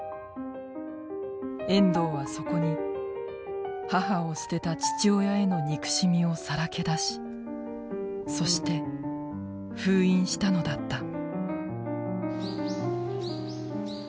遠藤はそこに母を捨てた父親への憎しみをさらけ出しそして封印したのだった。